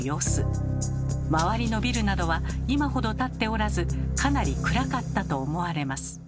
周りのビルなどは今ほど建っておらずかなり暗かったと思われます。